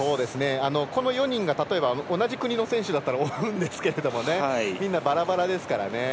この４人が、例えば同じ国の選手だったら追うんですけれどもみんなばらばらですからね。